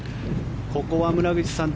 ここは村口さん